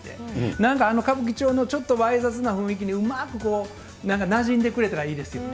なんかあの歌舞伎町のちょっとわい雑な雰囲気にうまく、なじんでくれたらいいですよね。